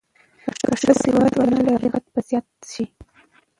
که ښځې سواد ونه لري، غربت به زیات شي.